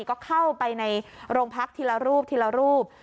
ก็เข้าไปในโรงพักทีละรูปทีละรูป